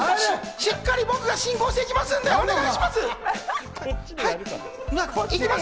しっかり僕が進行していきますんで、お願いします。